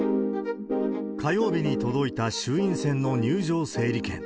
火曜日に届いた衆院選の入場整理券。